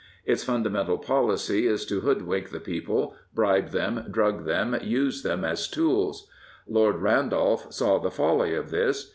Its fundamental policy is to hoodwink the people, bribe them, drug them, use them as tools. Lord Randolph saw the folly of this.